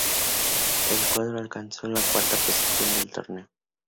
El cuadro alcanzó la cuarta posición del torneo.